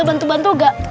terima kasih mab